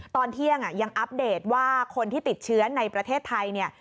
ตอนเที่ยงยังอัปเดตว่าคนที่ติดเชื้อในประเทศไทยเนี่ย